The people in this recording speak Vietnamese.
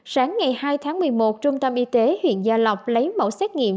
sáng ngày hai tháng một mươi một trung tâm y tế huyện gia lộc lấy mẫu xét nghiệm